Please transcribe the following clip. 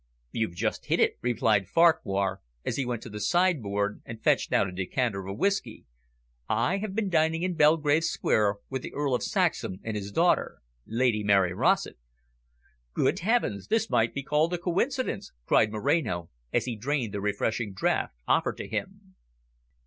"You've just hit it," replied Farquhar, as he went to the sideboard and fetched out a decanter of whiskey. "I have been dining in Belgrave Square with the Earl of Saxham and his daughter. Lady Mary Rossett." "Good heavens, this might be called a coincidence," cried Moreno, as he drained the refreshing draught offered to him.